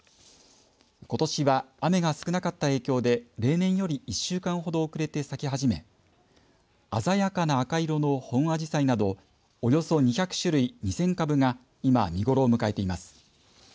ことしは雨が少なかった影響で例年より１週間ほど遅れて咲き始め鮮やかな赤色のホンアジサイなどおよそ２００種類２０００株が今、見頃を迎えています。